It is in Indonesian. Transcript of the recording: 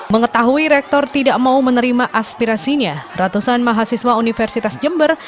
mengetahui rektor tidak mau menerima aspirasinya ratusan mahasiswa universitas jember